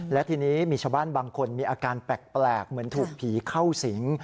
และทีนี้มีชาวบ้านบางคนมีอาการแปลกเหมือนถูกผีเข้าสิง